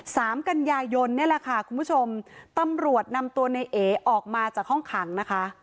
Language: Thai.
สามกันยายนนี่แหละค่ะคุณผู้ชมตำรวจนำตัวในเอออกมาจากห้องขังนะคะ